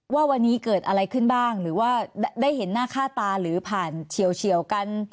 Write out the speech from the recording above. ว่าวันนี้เกิดอะไรขึ้นบ้างหรือว่าได้เห็นหน้าค่าตาหรือผ่านเฉียวกัน